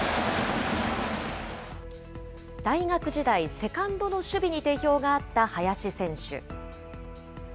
大学時代、セカンドの守備に定評があった林選手。